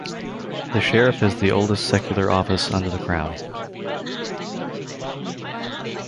The Sheriff is the oldest secular office under the Crown.